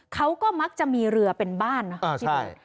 เขาก็มักจะมีเรือเป็นบ้านนะอ่าใช่